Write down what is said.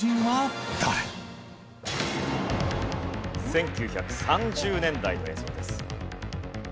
１９３０年代の映像です。